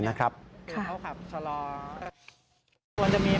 ควรจะมีป้ายควรจะมีส่องไฟอะไรอย่างนี้